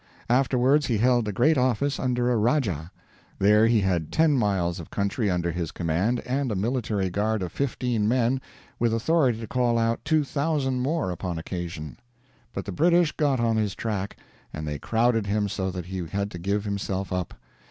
Afterwards he held a great office under a Rajah. There he had ten miles of country under his command and a military guard of fifteen men, with authority to call out 2,000 more upon occasion. But the British got on his track, and they crowded him so that he had to give himself up.